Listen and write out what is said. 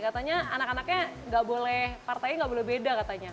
katanya anak anaknya nggak boleh partainya nggak boleh beda katanya